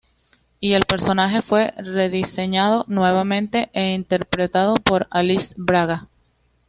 Y el personaje fue rediseñado nuevamente e interpretado por Alice Braga.